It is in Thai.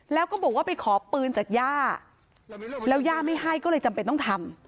แล้วก็บอกว่าไปขอปืนจากย่าแล้วย่าไม่ให้ก็เลยจำเป็นต้องทำ